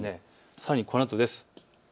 さらにこのあとです。